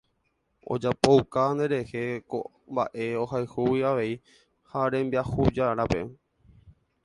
Ojapouka nderehe ko mba'e ohayhúgui avei ne rembiayhujárape.